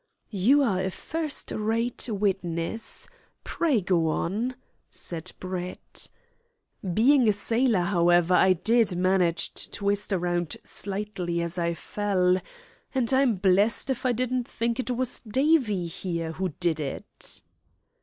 "You are a first rate witness. Pray go on," said Brett. "Being a sailor, however, I did manage to twist round slightly as I fell, and I'm blessed if I didn't think it was Davie here who did it."